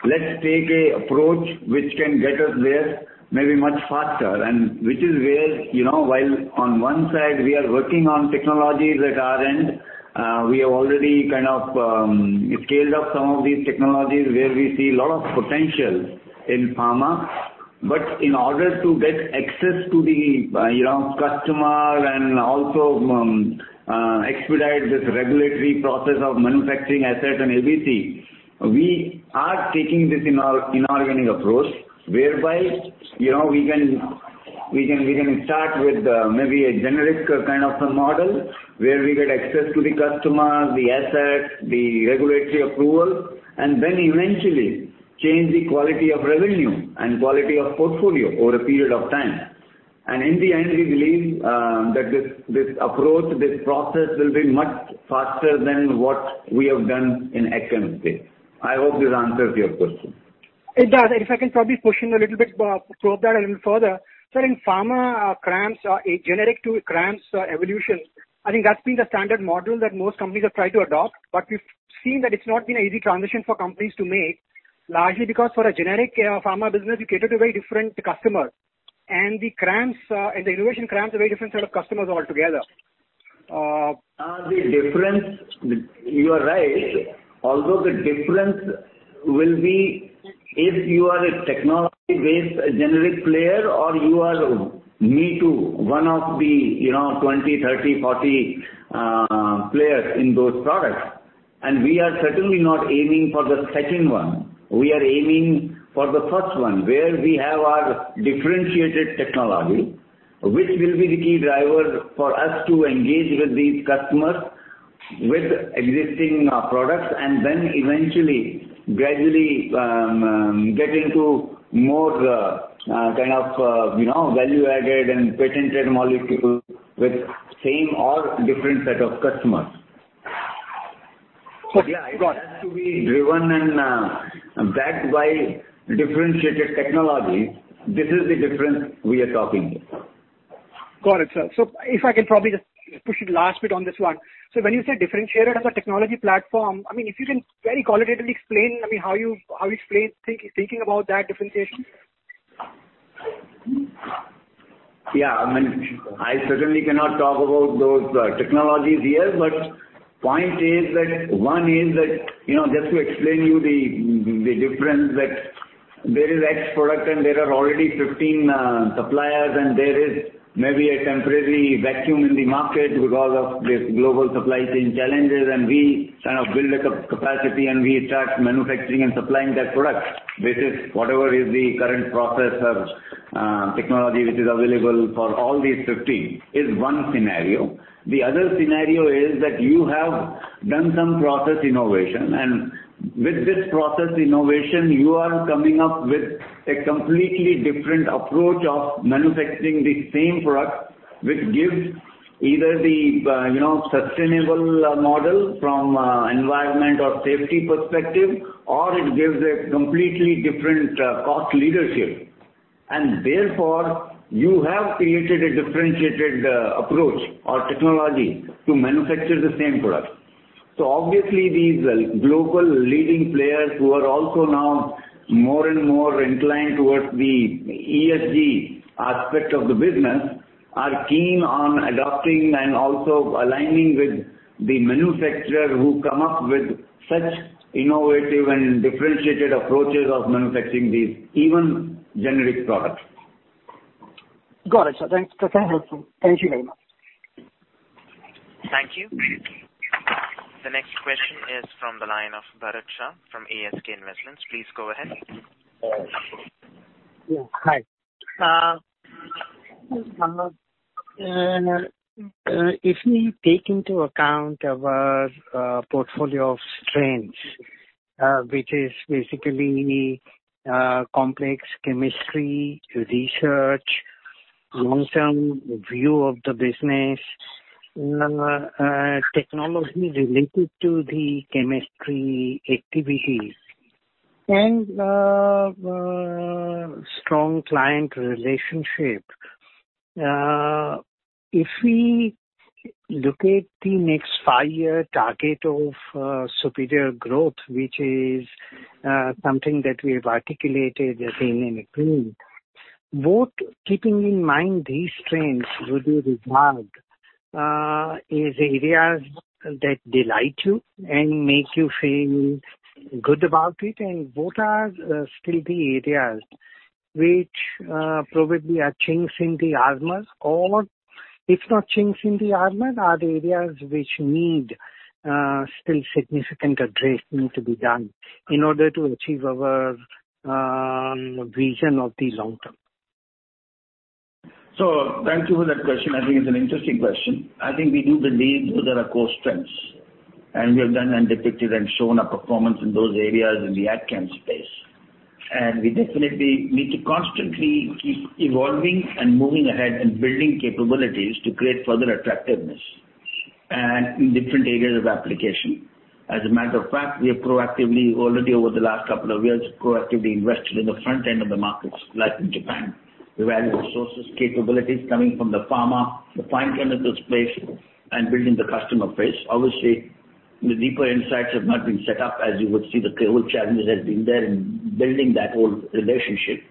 let's take a approach which can get us there maybe much faster and which is where, you know, while on one side we are working on technologies at our end, we have already kind of scaled up some of these technologies where we see a lot of potential in pharma. In order to get access to the, you know, customer and also expedite this regulatory process of manufacturing asset and etc., we are taking this inorganic approach, whereby, you know, we can start with maybe a generic kind of a model where we get access to the customers, the assets, the regulatory approval, and then eventually change the quality of revenue and quality of portfolio over a period of time. In the end, we believe that this approach, this process will be much faster than what we have done in AgChem space. I hope this answers your question. It does. If I can probably push in a little bit, probe that a little further. Sir, in pharma CRAMS, from a generic to a CRAMS evolution, I think that's been the standard model that most companies have tried to adopt. We've seen that it's not been an easy transition for companies to make, largely because for a generic pharma business, you cater to very different customers. The CRAMS and the innovative CRAMS are very different set of customers altogether. The difference, you are right. Although the difference will be if you are a technology-based generic player or you are me too, one of the, you know, 20, 30, 40 players in those products. We are certainly not aiming for the second one. We are aiming for the first one, where we have our differentiated technology, which will be the key driver for us to engage with these customers with existing products, and then eventually gradually get into more kind of, you know, value-added and patented molecules with same or different set of customers. Okay. I got it. Yeah. It has to be driven and, backed by differentiated technology. This is the difference we are talking here. Got it, sir. If I can probably just push the last bit on this one. When you say differentiated as a technology platform, I mean, if you can very qualitatively explain, I mean, how you think about that differentiation? Yeah, I mean, I certainly cannot talk about those technologies here. Point is that one is that, you know, just to explain you the difference that there is X product and there are already 15 suppliers, and there is maybe a temporary vacuum in the market because of this global supply chain challenges. We kind of build a capacity, and we start manufacturing and supplying that product, which is whatever is the current process of technology which is available for all these 15, is one scenario. The other scenario is that you have done some process innovation and with this process innovation, you are coming up with a completely different approach of manufacturing the same product, which gives either the, you know, sustainable model from an environment or safety perspective, or it gives a completely different cost leadership. Therefore, you have created a differentiated approach or technology to manufacture the same product. Obviously, these global leading players who are also now more and more inclined towards the ESG aspect of the business are keen on adopting and also aligning with the manufacturer who come up with such innovative and differentiated approaches of manufacturing these even generic products. Got it, sir. Thanks. That's very helpful. Thank you very much. Thank you. The next question is from the line of Bharat Shah from ASK Investments. Please go ahead. If we take into account our portfolio of strengths, which is basically complex chemistry research, long-term view of the business, technology related to the chemistry activities and strong client relationship. If we look at the next five-year target of superior growth, which is something that we have articulated as being an agreement, what keeping in mind these strengths would you regard is areas that delight you and make you feel good about it? What are still the areas which probably are chinks in the armor? Or if not chinks in the armor, are the areas which need still significant address need to be done in order to achieve our vision of the long term? Thank you for that question. I think it's an interesting question. I think we do believe those are our core strengths, and we have done and depicted and shown our performance in those areas in the AgChem space. We definitely need to constantly keep evolving and moving ahead and building capabilities to create further attractiveness and in different areas of application. As a matter of fact, we have proactively already over the last couple of years, proactively invested in the front end of the markets, like in Japan. We've added resources, capabilities coming from the pharma, the fine chemicals space and building the customer base. Obviously, the deeper insights have not been set up. As you would see, the COVID challenge has been there in building that whole relationship.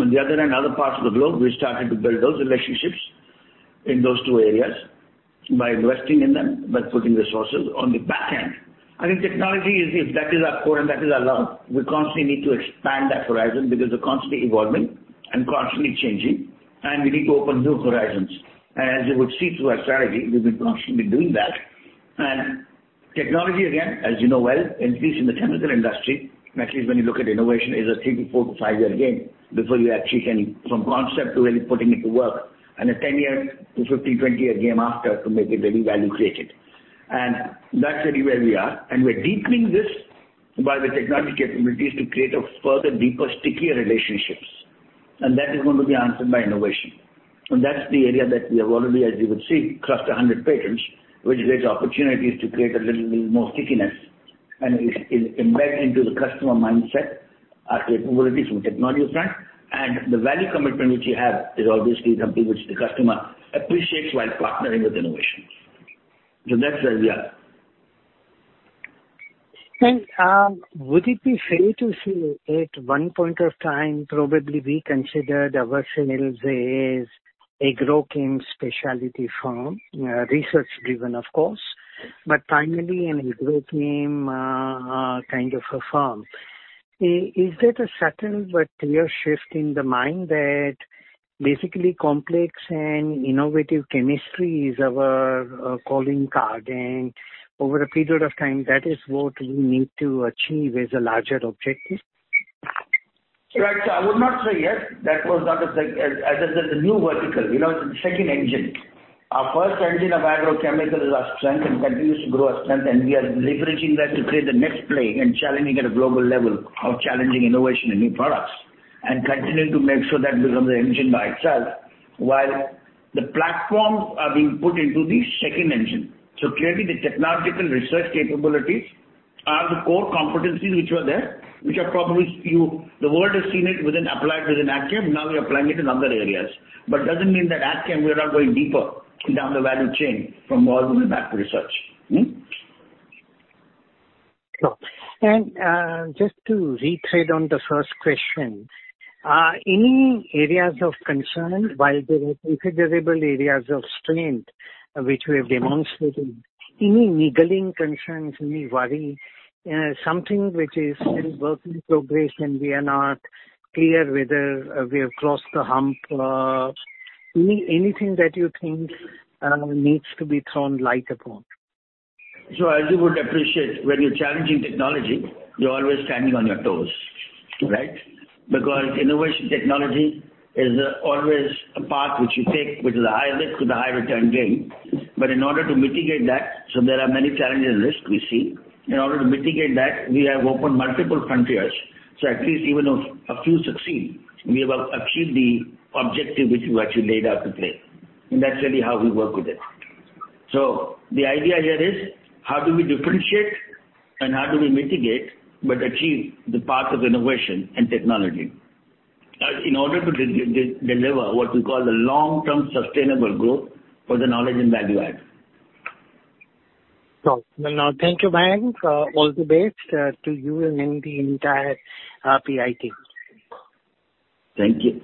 On the other hand, other parts of the globe, we started to build those relationships in those two areas by investing in them, by putting resources on the back end. I think technology is, if that is our core and that is our love, we constantly need to expand that horizon because they're constantly evolving and constantly changing, and we need to open new horizons. As you would see through our strategy, we've been constantly doing that. Technology, again, as you know well, at least in the chemical industry, at least when you look at innovation, is a three to four to five year game before you achieve any from concept to really putting it to work. A 10-year to 15, 20-year game after to make it really value created. That's really where we are. We're deepening this by the technology capabilities to create a further deeper, stickier relationships. That is going to be answered by innovation. That's the area that we have already, as you would see, crossed 100 patents, which creates opportunities to create a little bit more stickiness and is embedded into the customer mindset, our capabilities from technology front. The value commitment which we have is obviously something which the customer appreciates while partnering with innovations. That's where we are. Would it be fair to say at one point of time, probably we considered ourselves as a AgChem specialty firm, research driven of course, but primarily an AgChem, kind of a firm. Is that a subtle but clear shift in the mind that basically complex and innovative chemistry is our calling card and over a period of time, that is what we need to achieve as a larger objective? I would not say yet. As I said, the new vertical, you know, second engine. Our first engine of agrochemical is our strength and continues to grow our strength, and we are leveraging that to create the next play and challenging at a global level of challenging innovation and new products. Continuing to make sure that becomes an engine by itself while the platforms are being put into the second engine. Clearly the technological research capabilities are the core competencies which were there, which are probably few. The world has seen it within applied within AgChem. Now we are applying it in other areas. Doesn't mean that AgChem we are not going deeper down the value chain from all the way back to research. Just to retread on the first question, any areas of concern while there are considerable areas of strength which we have demonstrated, any niggling concerns, any worry, something which is still work in progress, and we are not clear whether we have crossed the hump? Anything that you think needs to be thrown light upon? As you would appreciate, when you're challenging technology, you're always standing on your toes, right? Because innovation technology is always a path which you take, which is a high risk with a high return gain. In order to mitigate that, so there are many challenges and risks we see. In order to mitigate that, we have opened multiple frontiers, so at least even if a few succeed, we have achieved the objective which we actually laid out to play. That's really how we work with it. The idea here is how do we differentiate and how do we mitigate but achieve the path of innovation and technology, in order to deliver what we call the long-term sustainable growth for the knowledge and value add. Now thank you, Mayank. All the best to you and the entire PI team. Thank you.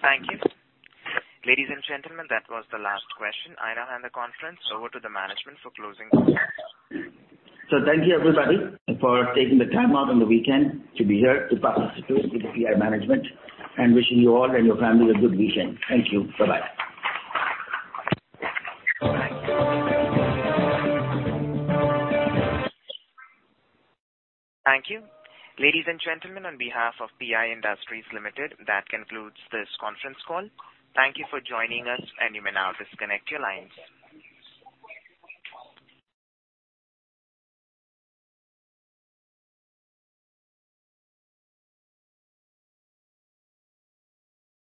Thank you. Ladies and gentlemen, that was the last question. I now hand the conference over to the management for closing remarks. Thank you, everybody, for taking the time out on the weekend to be here to participate with the PI management and wishing you all and your family a good weekend. Thank you. Bye-bye. Thank you. Ladies and gentlemen, on behalf of PI Industries Limited, that concludes this conference call. Thank you for joining us, and you may now disconnect your lines.